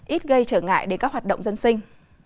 ít gây trở ngại đến các hoạt động dân sinh